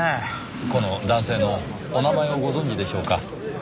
この男性のお名前をご存じでしょうか？